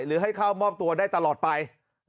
ให้เข้ามอบตัวได้ตลอดไป